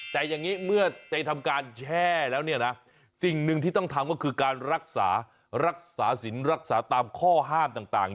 แต่อย่างนี้เมื่อได้ทำการแช่แล้วเนี่ยนะสิ่งหนึ่งที่ต้องทำก็คือการรักษารักษาสินรักษาตามข้อห้ามต่าง